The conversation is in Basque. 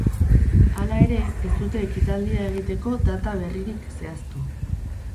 Hala ere, ez dute ekitaldia egiteko data berririk zehaztu.